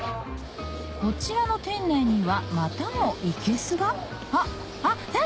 こちらの店内にはまたもいけすがあっ鯛？